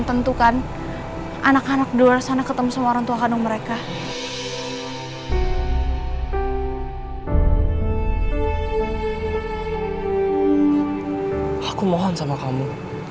tentukan anak anak di luar sana ketemu sama orang tua kanung mereka aku mohon sama kamu